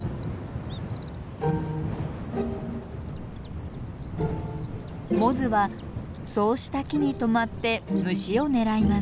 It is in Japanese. モズはそうした木にとまって虫を狙います。